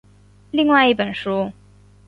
另外一本书。